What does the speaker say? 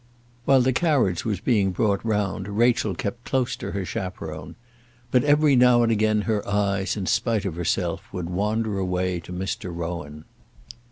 While the carriage was being brought round, Rachel kept close to her chaperon; but every now and again her eyes, in spite of herself, would wander away to Mr. Rowan.